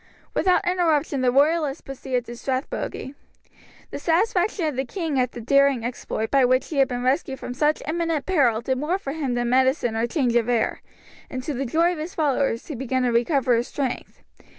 Without interruption the royalists proceeded to Strathbogie. The satisfaction of the king at the daring exploit by which he had been rescued from such imminent peril did more for him than medicine or change of air, and to the joy of his followers he began to recover his strength.